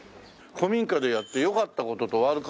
古民家でやって良かった事と悪かった事。